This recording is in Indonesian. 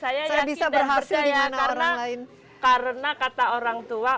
saya yakin dan percaya karena kata orang tua